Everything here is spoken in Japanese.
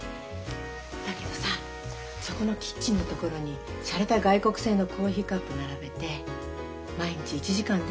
だけどさそこのキッチンのところにしゃれた外国製のコーヒーカップ並べて毎日１時間でいいの。